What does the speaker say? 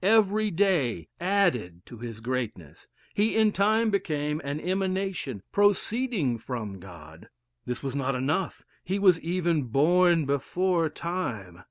Every day added to his greatness. He in time became an emanation, proceeding from God. This was not enough; he was even born before time.